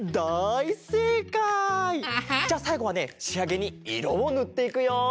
アハッ！じゃさいごはねしあげにいろをぬっていくよ。